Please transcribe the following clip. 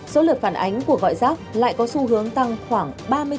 số lượt phản ánh của gọi giác lại có xu hướng tăng khoảng ba mươi bốn hai